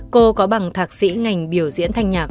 cô có bằng thạc sĩ ngành biểu diễn thanh nhạc